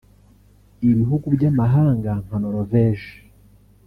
Ibihugu by’amahanga nka Norvège